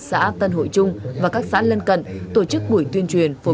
xã tân hội trung và các xã lên cận tổ chức buổi tuyên truyền